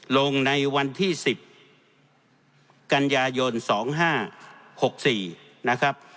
ลงในวันที่๑๐กันยายน๒๕๖๔นะครับ